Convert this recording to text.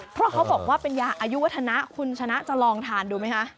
เพราะเขาบอกว่าเป็นยาอายุวัฒนะคุณชนะจะลองทานดูไหมคะ